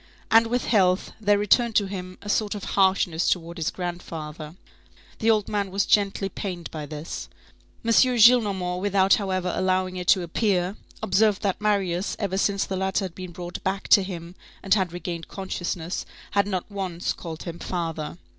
And with health, there returned to him a sort of harshness towards his grandfather. The old man was gently pained by this. M. Gillenormand, without however allowing it to appear, observed that Marius, ever since the latter had been brought back to him and had regained consciousness, had not once called him father.